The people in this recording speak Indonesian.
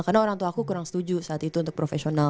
karena orang tua aku kurang setuju saat itu untuk profesional